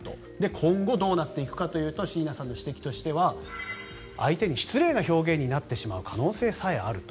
今後、どうなっていくかというと椎名さんの指摘としては相手に失礼な表現になってしまう可能性すらあると。